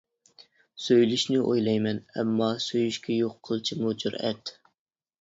سۆيۈلۈشنى ئويلايمەن ئەمما، سۆيۈشكە يوق قىلچىمۇ جۈرئەت.